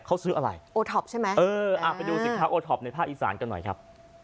เขาซื้ออะไรโอท็อปใช่ไหมเอออ่าไปดูสินค้าโอท็อปในภาคอีสานกันหน่อยครับ